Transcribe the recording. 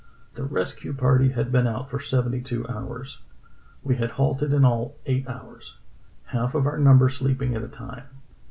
"The rescue party had been out for seventy two hours. We had halted in all eight hours, half of our number sleeping at a time.